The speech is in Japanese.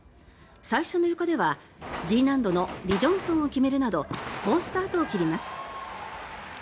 最初のゆかでは、Ｇ難度のリ・ジョンソンを決めるなど好スタートを切ります。